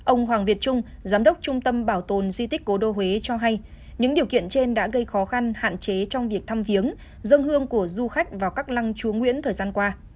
ông hoàng việt trung giám đốc trung tâm bảo tồn di tích cố đô huế cho hay những điều kiện trên đã gây khó khăn hạn chế trong việc thăm viếng dân hương của du khách vào các lăng chúa nguyễn thời gian qua